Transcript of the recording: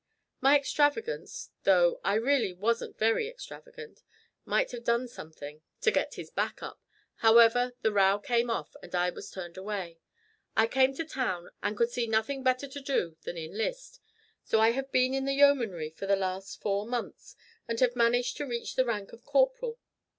My extravagance though I really wasn't very extravagant might have done something to get his back up. However, the row came off, and I was turned away. I came to town, and could see nothing better to do than enlist, so I have been in the Yeomanry for the last four months, and have managed to reach the rank of corporal.